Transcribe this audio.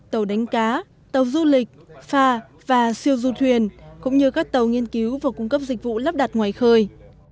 tàu đánh cá tàu du lịch pha và siêu du thuyền cũng như các tàu nghiên cứu và cung cấp dịch vụ lắp đặt ngoài khơi